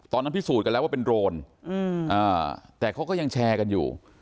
พิสูจน์กันแล้วว่าเป็นโรนแต่เขาก็ยังแชร์กันอยู่